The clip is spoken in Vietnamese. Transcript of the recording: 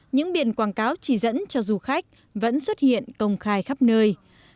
những biển quảng cáo chỉ dẫn cho du khách vẫn xuất hiện công khai khắp nơi